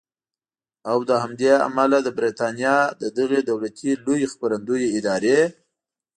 او له همدې امله د بریټانیا د دغې دولتي لویې خپرندویې ادارې